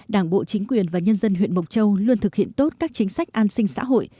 đảng bộ chính quyền và nhân dân huyện mộc châu luôn thực hiện tốt các chính sách an sinh xã hội